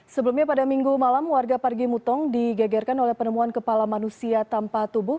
sebelumnya pada minggu malam warga parigimutong digagarkan oleh penemuan kepala manusia tanpa tubuh